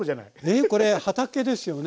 えこれ畑ですよね？